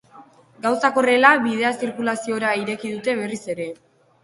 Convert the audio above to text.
Gauzak horrela, bidea zirkulaziora ireki dute berriz ere.